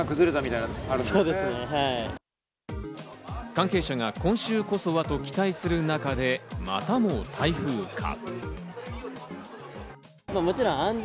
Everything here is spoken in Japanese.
関係者が今週こそはと期待する中で、またも台風か。